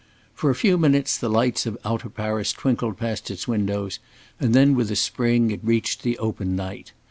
For a few minutes the lights of outer Paris twinkled past its windows and then with a spring it reached the open night.